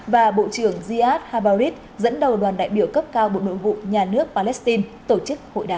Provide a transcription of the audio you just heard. và bộ trưởng ziad habarit dẫn đầu đoàn đại biểu cấp cao bộ nội vụ nhà nước palestine tổ chức hội đà